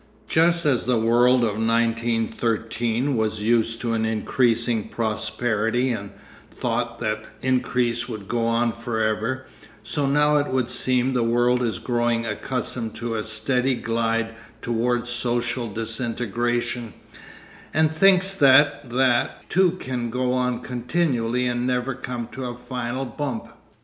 Just as the world of 1913 was used to an increasing prosperity and thought that increase would go on for ever, so now it would seem the world is growing accustomed to a steady glide towards social disintegration, and thinks that that too can go on continually and never come to a final bump.